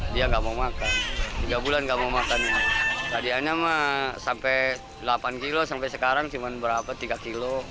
dan burung drastis